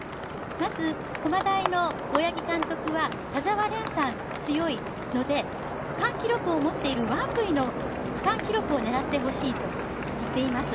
まず、駒大の大八木監督は田澤廉さんが強いので区間記録を持っているワンブィの記録を狙ってほしいと言っています。